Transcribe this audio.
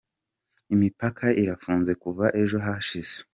Imipaka irafunze kuva ejo hashize.